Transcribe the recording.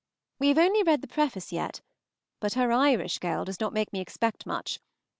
We have only read the preface yet, but her Irish girl does not make me expect much.